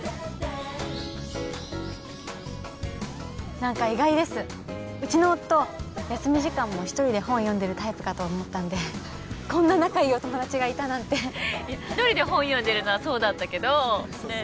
何か意外ですうちの夫休み時間も一人で本読んでるタイプかと思ったんでこんな仲いいお友達がいたなんて一人で本読んでるのはそうだったけどねっ